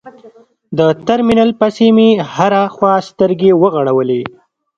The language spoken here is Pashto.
د ترمینل پسې مې هره خوا سترګې وغړولې.